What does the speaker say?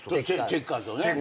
チェッカーズを。